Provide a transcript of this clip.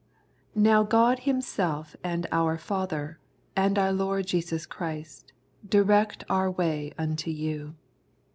" Now God Himself and our Father, and our Lord Jesus Christ, direct our way unto you.